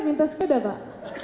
minta sepeda pak